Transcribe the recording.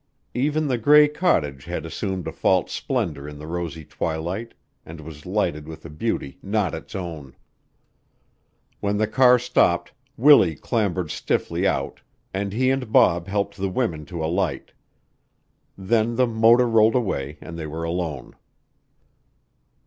Even the gray cottage had assumed a false splendor in the rosy twilight and was lighted with a beauty not its own. When the car stopped, Willie clambered stiffly out and he and Bob helped the women to alight. Then the motor rolled away and they were alone.